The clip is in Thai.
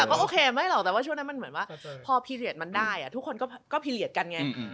ก็โอเคไม่หรอกแต่เช่นแบบพอโอเคก็ได้อ่ะทุกค้นก็พีเหลียฯกันไง